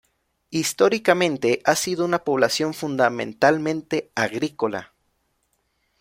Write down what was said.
Históricamente ha sido una población fundamentalmente agrícola.